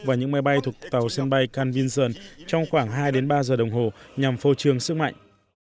và những máy bay thuộc tàu sân bay can vinson trong khoảng hai ba giờ đồng hồ nhằm phô trương sức mạnh